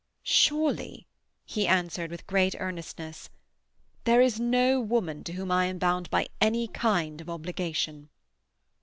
"Surely," he answered with great earnestness. "There is no woman to whom I am bound by any kind of obligation."